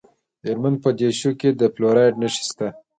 د هلمند په دیشو کې د فلورایټ نښې شته.